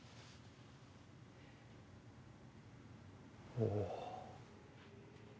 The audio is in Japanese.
おお。